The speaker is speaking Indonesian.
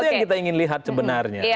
itu yang kita ingin lihat sebenarnya